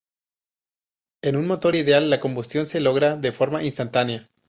En un motor ideal, la combustión se logra de forma instantánea.